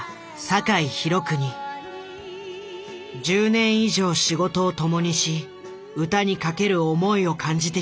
１０年以上仕事を共にし歌に懸ける思いを感じてきた。